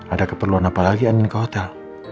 ada keperluan apa lagi anin ke hotel